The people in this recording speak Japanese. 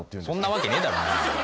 そんなわけねえだろ。